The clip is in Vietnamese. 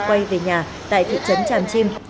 quay về nhà tại thị trấn tràm chim